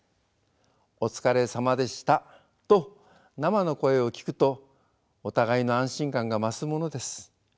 「お疲れさまでした」と生の声を聞くとお互いの安心感が増すものです。